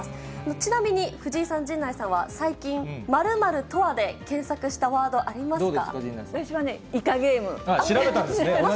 ちなみに藤井さん、陣内さんは最近、〇〇とはで検索したワード、ありますか？